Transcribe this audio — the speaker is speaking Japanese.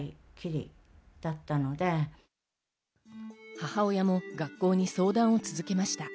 母親も学校に相談を続けました。